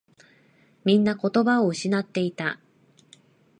みんな言葉を失っていた。